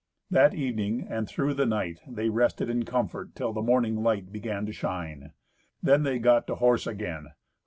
That evening, and through the night, they rested in comfort, till the morning light began to shine. Then they got to horse again.